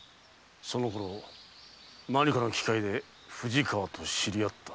そのころ何かの機会で藤川と知り合った。